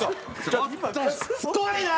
ちょっとしつこいな！